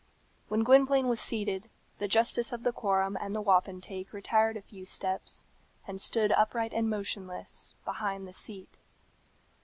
When Gwynplaine was seated, the justice of the quorum and the wapentake retired a few steps, and stood upright and motionless, behind the seat.